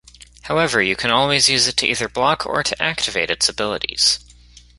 However, you can always use it to either block or to activate its abilities.